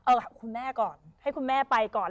เอาล่ะคุณแม่ก่อนให้คุณแม่ไปก่อน